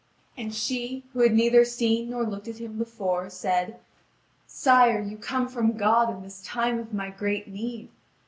And she, who had neither seen nor looked at him before, said: "Sire, you come from God in this time of my great need!